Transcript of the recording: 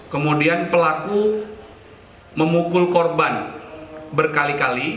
kemudian pelaku memukul korban berkali kali